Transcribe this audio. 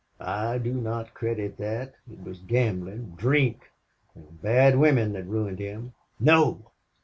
"I do not credit that. It was gambling, drink and bad women that ruined him." "No!"